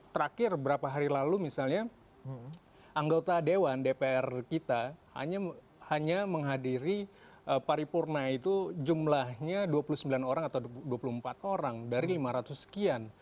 terakhir berapa hari lalu misalnya anggota dewan dpr kita hanya menghadiri paripurna itu jumlahnya dua puluh sembilan orang atau dua puluh empat orang dari lima ratus sekian